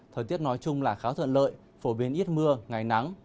thời tiết nói chung là khá thuận lợi phổ biến ít mưa ngày nắng